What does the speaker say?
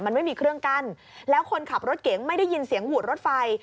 มันไม่มีเครื่องกั้นแล้วคนขับรถเก๋งไม่ได้ยินเสียงหวูดรถไฟ